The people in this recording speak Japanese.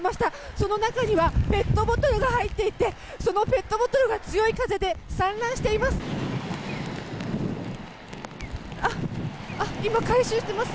その中にはペットボトルが入っていてそのペットボトルが強い風で散乱しています。